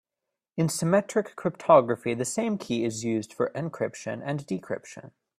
In symmetric cryptography the same key is used for encryption and decryption.